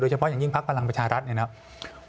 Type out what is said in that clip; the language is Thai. เฉพาะอย่างยิ่งพักพลังประชารัฐเนี่ยนะครับ